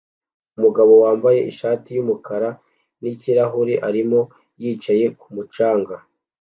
Umugabo wambaye ishati yumukara nikirahure arimo yicaye kumu canga